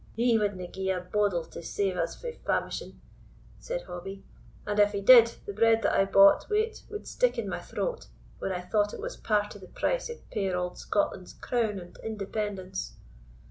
"He wadna gie a bodle to save us frae famishing," said Hobbie; "and, if he did, the bread that I bought wi't would stick in my throat, when I thought it was part of the price of puir auld Scotland's crown and independence."